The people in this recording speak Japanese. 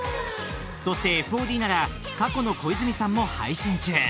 ［そしてＦＯＤなら過去の『小泉さん』も配信中］